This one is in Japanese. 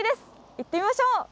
行ってみましょう！